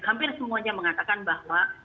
hampir semuanya mengatakan bahwa